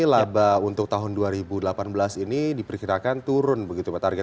laba untuk tahun dua ribu delapan belas ini diperkirakan turun begitu target awal empat ratus miliar